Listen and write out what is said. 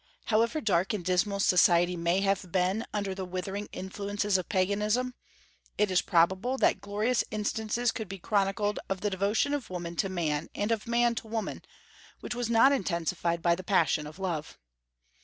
However dark and dismal society may have been under the withering influences of Paganism, it is probable that glorious instances could be chronicled of the devotion of woman to man and of man to woman, which was not intensified by the passion of love.